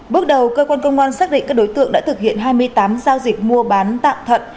bước đầu cơ quan công an xác định các đối tượng đã thực hiện hai mươi tám giao dịch mua bán tạm thận